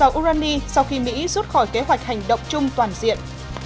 iran tiếp tục làm rau urani sau khi mỹ rút khỏi kế hoạch hành động chung toàn diện